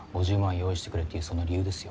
用意してくれっていうその理由ですよ。